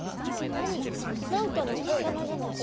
何何かのお魚じゃない？